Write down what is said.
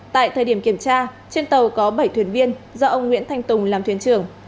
tại thời điểm kiểm tra trên tàu có bảy thuyền viên do ông nguyễn thanh tùng làm thuyền trưởng